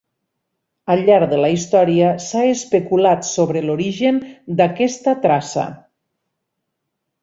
Al llarg de la història s'ha especulat sobre l'origen d'aquesta traça.